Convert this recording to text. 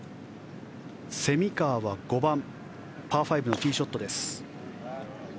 蝉川は５番パー５のティーショットです。